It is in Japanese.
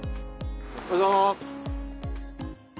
おはようございます。